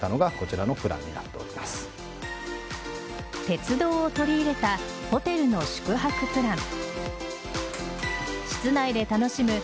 鉄道を取り入れたホテルの宿泊プラン。